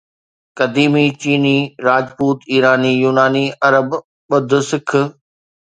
قديم چيني، راجپوت، ايراني، يوناني، عرب، ٻڌ، سک،